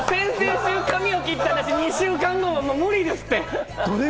先々週に髪を切った話、２週間後は無理ですって！